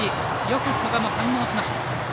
よく古賀も反応しました。